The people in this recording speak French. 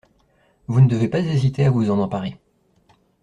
Vous ne devez pas hésiter à vous en emparer.